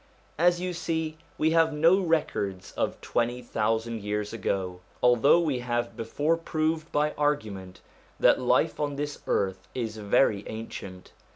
As you see, we have no records of twenty thousand years ago, although we have before proved by argument that life on this earth is very ancient.